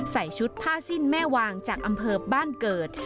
ใส่ชุดผ้าสิ้นแม่วางจากอำเภอบ้านเกิด